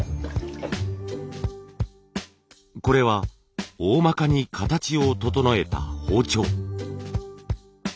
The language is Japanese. これはおおまかに形を整えた包丁。